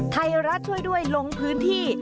ไทยรัฐช่วยด้วยลงพื้นที่